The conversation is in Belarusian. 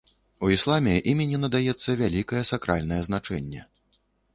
У ісламе імені надаецца вялікае сакральнае значэнне.